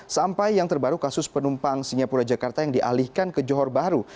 sampai yang terbaru kasus penumpang singapura jakarta yang dialihkan ke johor baru